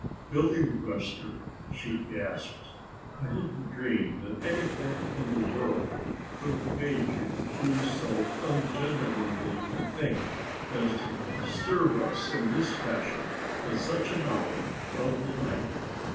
"Billy Webster," she gasped, "I didn't dream that anything in the world could have made you do so ungentlemanly a thing as to disturb us in this fashion at such an hour of the night.